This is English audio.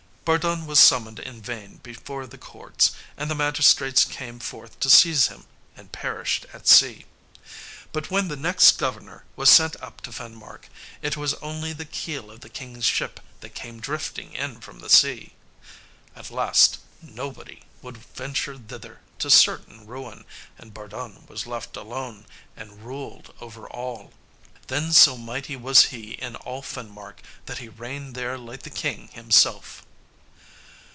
Bardun was summoned in vain before the courts, and the magistrates came forth to seize him and perished at sea. But when the next governor was sent up to Finmark, it was only the keel of the king's ship that came drifting in from the sea. At last nobody would venture thither to certain ruin, and Bardun was left alone, and ruled over all. Then so mighty was he in all Finmark that he reigned there like the king himself.